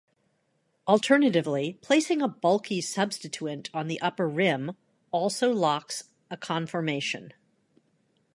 Alternatively placing a bulky substituent on the upper rim also locks a conformation.